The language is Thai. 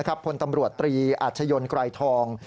พลตำรวจตรีอาชญนไกรทอง